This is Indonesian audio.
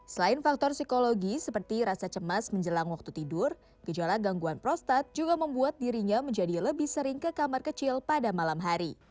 selain faktor psikologi seperti rasa cemas menjelang waktu tidur gejala gangguan prostat juga membuat dirinya menjadi lebih sering ke kamar kecil pada malam hari